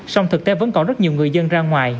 song thực tế vẫn còn rất nhiều người dân ra ngoài